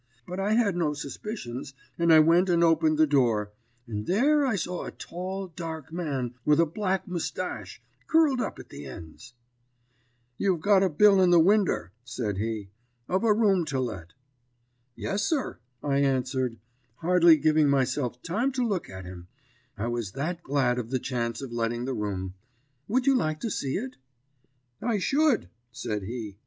But I had no suspicions, and I went and opened the door, and there I saw a tall, dark man, with a black moustache, curled up at the ends. "'You've got a bill in the winder,' said he, 'of a room to let.' "'Yes, sir,' I answered, hardly giving myself time to look at him, I was that glad of the chance of letting the room; 'would you like to see it?' "'I should,' said he.